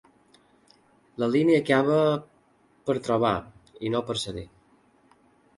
La línia acaba...per trobar, i no per cedir.